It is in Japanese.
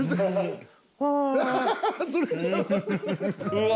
うわ